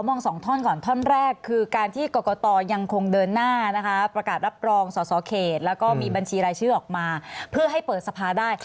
มองสองท่อนก่อนท่อนแรกคือการที่กรกตยังคงเดินหน้านะคะประกาศรับรองสอสอเขตแล้วก็มีบัญชีรายชื่อออกมาเพื่อให้เปิดสภาได้